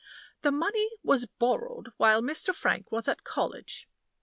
The money was borrowed while Mr. Frank was at college.